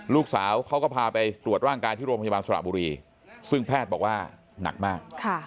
ลูกสาวเขาก็พาไปตรวจร่างกายที่โรงพยาบาลสระบุรีซึ่งแพทย์บอกว่าหนักมาก